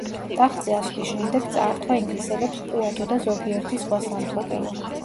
ტახტზე ასვლის შემდეგ წაართვა ინგლისელებს პუატუ და ზოგიერთი სხვა სამფლობელო.